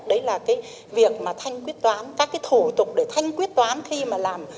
đấy là việc thanh quyết toán các thủ tục để thanh quyết toán khi mà làm